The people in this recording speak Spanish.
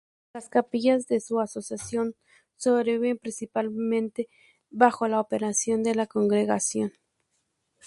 Las capillas de su asociación, sobreviven principalmente bajo la operación de la Congregación.